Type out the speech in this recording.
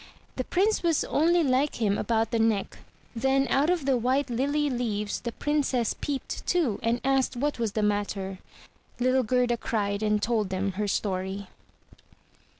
The Prince was only like him about the neck. Then out of the white lily leaves the Princess peeped too, and asked what was the matter. Little Gerda cried and told them her story.